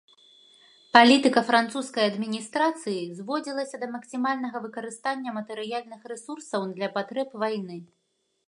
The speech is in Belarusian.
Палітыка французскай адміністрацыі зводзілася да максімальнага выкарыстання матэрыяльных рэсурсаў для патрэб вайны.